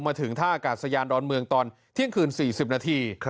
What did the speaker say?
มาถึงท่าอากาศยานดอนเมืองตอนเที่ยงคืน๔๐นาที